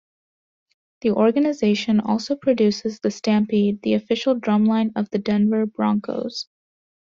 The organization also produces The Stampede, the official drum line of the Denver Broncos.